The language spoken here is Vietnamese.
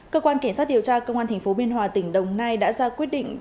cơ quan kiểm soát điều tra công an tp biên hòa tỉnh đồng nai đã ra quyết định